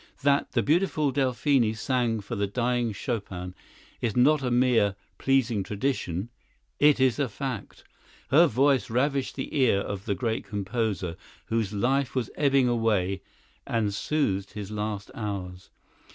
That the beautiful Delphine sang for the dying Chopin is not a mere pleasing tradition; it is a fact. Her voice ravished the ear of the great composer, whose life was ebbing away, and soothed his last hours.